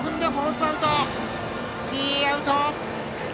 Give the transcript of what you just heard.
スリーアウト。